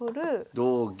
同銀。